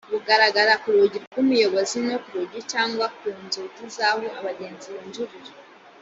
bugaragara ku rugi rw’umuyobozi no ku rugi cyangwa ku nzugi z’aho abagenzi binjirira